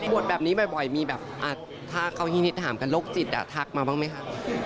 บทแบบนี้บ่อยมีแบบถ้าเขาขี้นิดถามกับโรคจิตทักมาบ้างมั้ยค่ะ